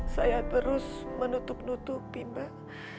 saya terus menutup nutupi mbak